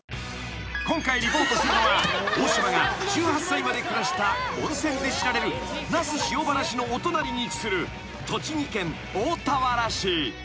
［今回リポートするのは大島が１８歳まで暮らした温泉で知られる那須塩原市のお隣に位置する栃木県大田原市］